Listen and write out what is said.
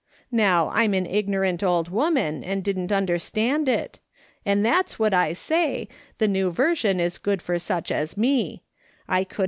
' Now, I'm an ignorant old woman, and didn't understand it ; and that's what I say, the New Version is good for such as me — I couldn't 270 MRS.